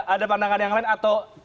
ada pandangan yang lain atau